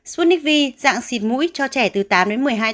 sputnik v dạng xịt mũi cho trẻ từ tám đến một mươi hai tuổi